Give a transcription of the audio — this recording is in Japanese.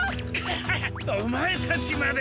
かぁおまえたちまで！